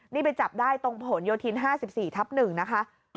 นี่ไปจับได้ตรงผลโยธิน๕๔ทับ๑นะคะ